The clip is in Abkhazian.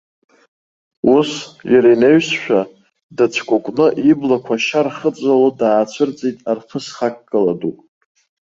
Ус, иара инаҩсшәа, дыцәкәыкәы, иблақәа ашьа рхыҵәало даацәырҵит арԥыс хаккала дук.